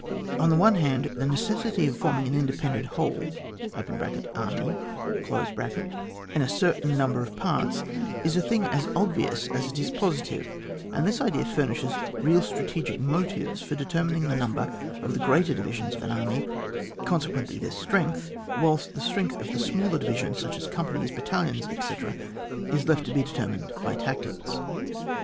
On the other hand, the necessity of forming an independent whole (army) into a certain number of parts is a thing as obvious as it is posi tive, and this idea furnishes real strate gic motives for determining the number of the greater divisions of an army, con sequently their strength, whilst the strength of the smaller divisions, such as companies, battalions, etc., is left to be determined by tactics.